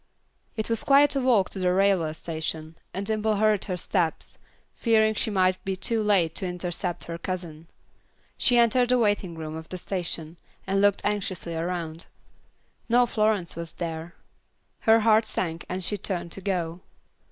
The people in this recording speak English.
It was quite a walk to the railway station, and Dimple hurried her steps, fearing she might be too late to intercept her cousin. She entered the waiting room of the station, and looked anxiously around. No Florence was there. Her heart sank and she turned to go.